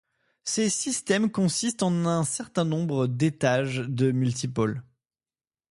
Ces systèmes consistent en un certain nombre d'étages de multipoles.